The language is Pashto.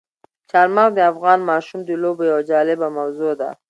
چار مغز د افغان ماشومانو د لوبو یوه جالبه موضوع ده.